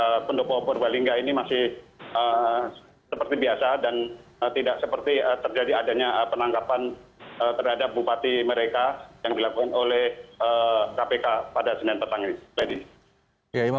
di pendopo purbalingga ini masih seperti biasa dan tidak seperti terjadi adanya penangkapan terhadap bupati mereka yang dilakukan oleh kpk pada senin petang ini